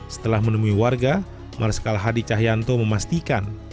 setelah menemui warga marskal hadi cahyanto memastikan